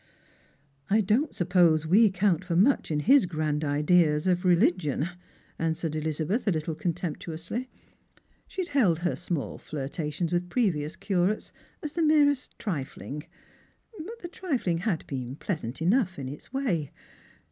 " I don't suppose we count for much in his grand ideas of re ligion," answered Elizabeth a little contemptuously. She had held her small flirtations with previous. cura, tes as the merest trifling, but the trifling had beenpieasant enough in its way.